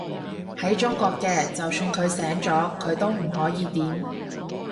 喺中國嘅，就算佢醒咗，佢都唔可以點